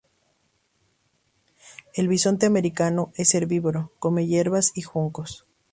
El bisonte americano es herbívoro; come hierbas y juncos.